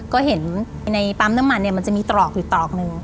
ก็เห็นในปั๊มน้ำมันเนี่ยมันจะมีตรอกอยู่ตรอกหนึ่ง